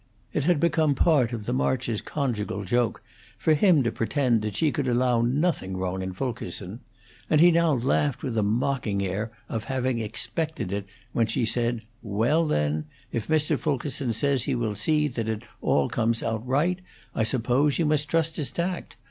It had become part of the Marches' conjugal joke for him to pretend that she could allow nothing wrong in Fulkerson, and he now laughed with a mocking air of having expected it when she said: "Well, then, if Mr. Fulkerson says he will see that it all comes out right, I suppose you must trust his tact.